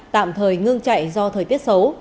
tạm thời ngưng chạy do thời tiết xấu